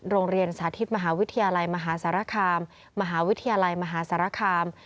สาธิตมหาวิทยาลัยมหาสารคามมหาวิทยาลัยมหาสารคาม